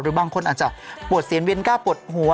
บางคนอาจจะปวดเสียนเวียนกล้าปวดหัว